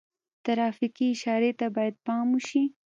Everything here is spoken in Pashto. ترافیکي اشارې ته باید پام وشي.